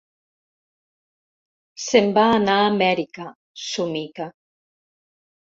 Se'n va anar a Amèrica –somica.